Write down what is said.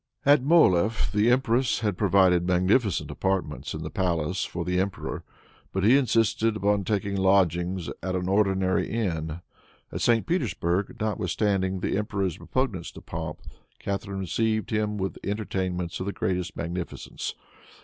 At Mohilef, the empress had provided magnificent apartments, in the palace, for the emperor; but he insisted upon taking lodgings at an ordinary inn. At St. Petersburg, notwithstanding the emperor's repugnance to pomp, Catharine received him with entertainments of the greatest magnificence.